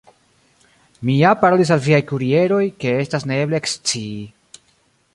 Mi ja parolis al viaj kurieroj, ke estas neeble ekscii.